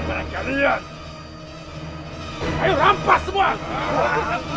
makanlah semua barang barangmu